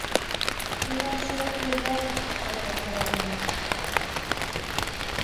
Миңә Тирәклегә... ҡайтыр кәрәк ине...